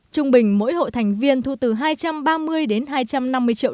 trung bình mỗi hội thành viên thu từ hai trăm ba mươi đến hai trăm năm mươi triệu